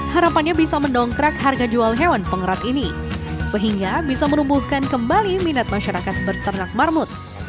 harapannya bisa mendongkrak harga jual hewan pengerat ini sehingga bisa menumbuhkan kembali minat masyarakat berternak marmut